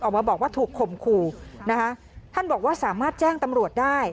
ออกมาบอกว่าถูกข่มขู่นะคะท่านบอกว่าสามารถแจ้งตำรวจได้